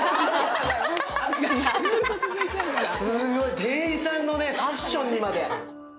すごい、店員さんのファッションにまで。